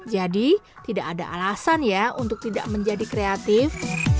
jadi tidak ada alasan ya untuk tidak menjadi kreatif